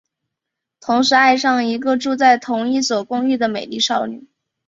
同时爱上了一个住在同一所公寓的美丽少女。